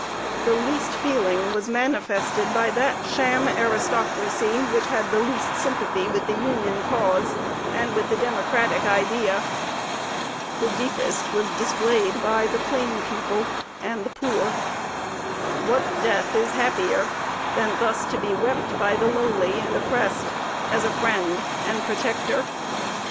The least feeling was manifested by that sham aristocracy, which had the least sympathy with the Union cause and with the Democratic Idea. The deepest was displayed by the "plain people" and the poor. What death is happier than thus to be wept by the lowly and oppressed, as a friend and protector!